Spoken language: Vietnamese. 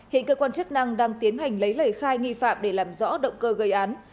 hiện cơ quan chức năng đang tiến hành lấy lời khai nghi phạm để làm rõ động cơ gây án